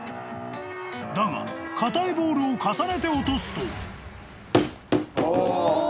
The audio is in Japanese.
［だが硬いボールを重ねて落とすと］